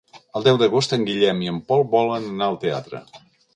El deu d'agost en Guillem i en Pol volen anar al teatre.